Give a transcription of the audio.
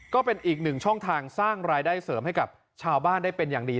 ก็เป็นอีกหนึ่งช่องทางสร้างรายได้เสริมให้กับชาวบ้านได้เป็นอย่างดี